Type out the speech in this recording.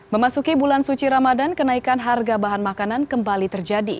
memasuki bulan suci ramadan kenaikan harga bahan makanan kembali terjadi